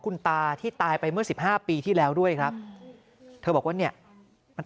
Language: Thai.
คุณตาที่ตายไปเมื่อสิบห้าปีที่แล้วด้วยครับเธอบอกว่าเนี่ยมัน